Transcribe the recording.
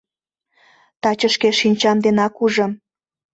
Таче шке шинчам денак ужым.